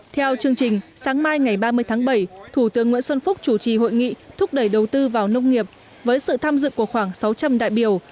theo chương trình sáng mai ngày ba mươi tháng bảy thủ tướng nguyễn xuân phúc chủ trì hội nghị thúc đẩy đầu tư vào nông nghiệp với sự tham dự của khoảng sáu trăm linh đại biểu